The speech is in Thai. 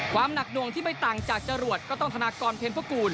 หนักหน่วงที่ไม่ต่างจากจรวดก็ต้องธนากรเพ็ญพระกูล